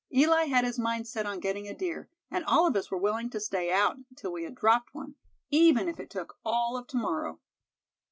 Eli had his mind set on getting a deer, and all of us were willing to stay out till we had dropped one, even if it took all of to morrow.